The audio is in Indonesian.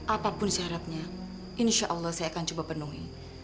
apapun syaratnya insya allah saya akan coba penuhi